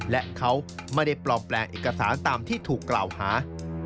และเขาไม่ได้ปลอมแปลงเอกสารตามที่ถูกกล่าวหา